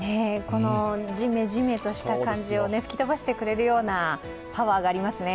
このジメジメとした感じを吹き飛ばしてくれるようなパワーがありますね。